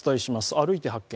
「歩いて発見！